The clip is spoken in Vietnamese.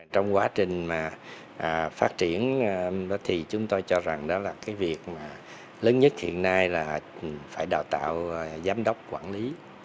trong quá trình phát triển thì chúng tôi cho rằng là cái việc lớn nhất hiện nay là phải đào tạo giám đốc quản lý